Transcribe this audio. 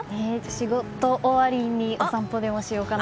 仕事終わりにお散歩でもしようかな。